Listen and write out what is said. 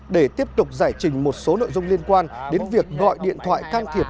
để tiếp tục giải trình một số nội dung liên quan đến việc gọi điện thoại can thiệp